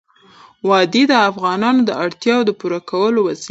وادي د افغانانو د اړتیاوو د پوره کولو وسیله ده.